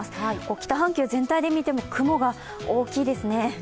北半球全体で見ても雲が大きいですね。